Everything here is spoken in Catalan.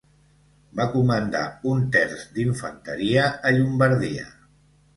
Va comandar un terç d'infanteria a Llombardia.